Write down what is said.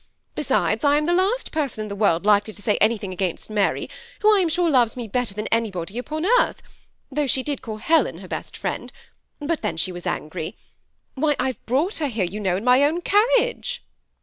Besides, I am the last person in the world likely to say anything against Mary, who I am sure loves me better than any body upon earth, though she did call Helen her best friend ; but then she was angry. Why^ I brought her here, you know, in my own carriage."